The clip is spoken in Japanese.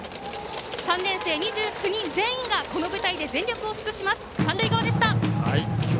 ３年生、２９人全員がこの舞台で全力を尽くします。